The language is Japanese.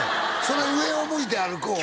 それ「上を向いて歩こう」？